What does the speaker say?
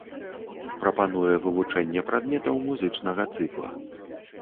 Прапануе вывучэнне прадметаў музычнага цыкла.